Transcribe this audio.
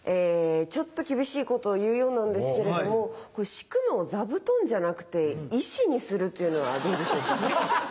ちょっと厳しいことを言うようなんですけれども敷くのを座布団じゃなくて石にするっていうのはどうでしょうか。